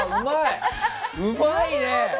うまいね。